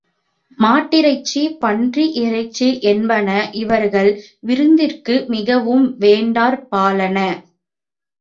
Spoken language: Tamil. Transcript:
மாட்டிறைச்சி, பன்றி இறைச்சி என்பன இவர்கள் விருந்திற்கு மிகவும் வேண்டற்பாலன.